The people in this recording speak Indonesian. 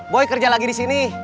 boy kerja lagi di sini